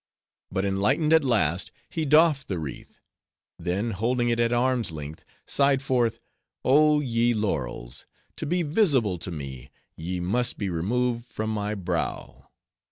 But enlightened at last, he doffed the wreath; then, holding it at arm's length, sighed forth—Oh, ye laurels! to be visible to me, ye must be removed from my brow!"